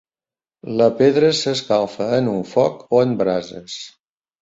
La pedra s'escalfa en un foc o en brases.